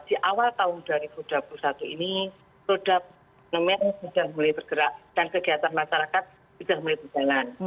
di awal tahun dua ribu dua puluh satu ini produk nomer sudah mulai bergerak dan kegiatan masyarakat sudah mulai berjalan